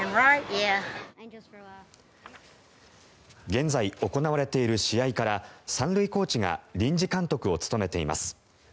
現在、行われている試合から３塁コーチが臨時監督を務めています。